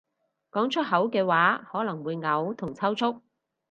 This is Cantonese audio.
講出口嘅話可能會嘔同抽搐